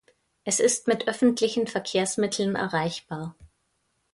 Es ist mit öffentlichen Verkehrsmitteln erreichbar.